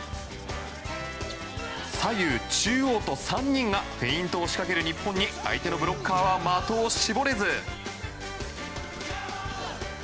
左右、中央と３人がフェイントを仕掛ける日本に相手のブロッカーは的を絞れず。